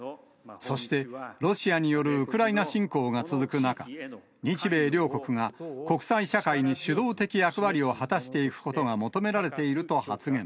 そして、ロシアによるウクライナ侵攻が続く中、日米両国が国際社会に主導的役割を果たしていくことが求められていると発言。